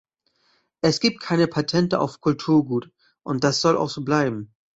Es gibt keine Patente auf Kulturgut und das soll auch so bleiben.